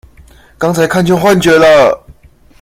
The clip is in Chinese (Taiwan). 剛才看見幻覺了！